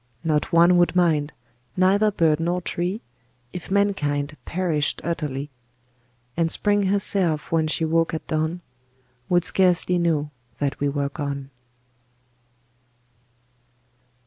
Not one would mind, neither bird nor tree If mankind perished utterly; And Spring herself, when she woke at dawn, Would scarcely know that we were gone.